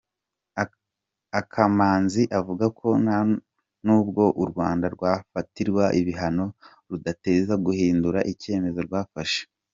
Akamanzi avuga ko n’ubwo u Rwanda rwafatirwa ibihano rudateze guhindura icyemezo rwafashe.